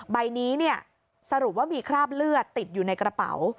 ใบนี้สรุปว่ามีคราบเลือดติดอยู่ในกระเป๋า